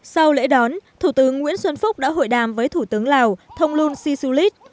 sau lễ đón thủ tướng nguyễn xuân phúc đã hội đàm với thủ tướng lào thông luân si su lít